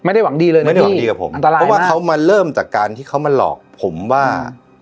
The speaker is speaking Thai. ไม่ได้หวังดีเลยนะไม่ได้หวังดีกับผมอันตรายเพราะว่าเขามาเริ่มจากการที่เขามาหลอกผมว่า